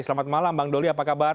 selamat malam bang doli apa kabar